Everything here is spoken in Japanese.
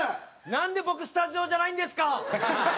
なんで僕スタジオじゃないんですか！